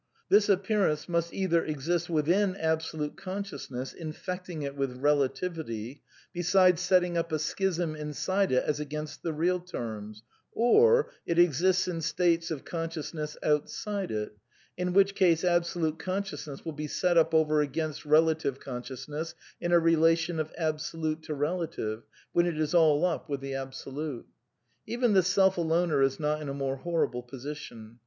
This / appearance must either exist within Absolute Conscious 1 ness, infecting it with relativity ; besides setting up a schism I inside it as against the ^^ real " terms ; j2£ it exists in states of consciousness outside it; in which case Absolute Con sciousness will be set up over against Belative Conscious ness in a relation of absolute to relative ; when it is all up with the Absolute. Even the Self Aloner is not in a more horrible position.